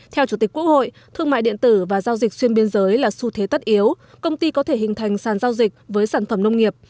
theo chủ tịch quốc hội thương mại điện tử và giao dịch xuyên biên giới là xu thế tất yếu công ty có thể hình thành sàn giao dịch với sản phẩm nông nghiệp